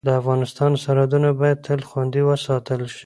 د افغانستان سرحدونه باید تل خوندي وساتل شي.